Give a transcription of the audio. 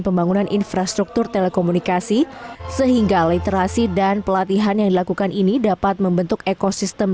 pembangunan infrastruktur telekomunikasi sehingga literasi dan pelatihan yang dilakukan ini dapat membentuk ekosistem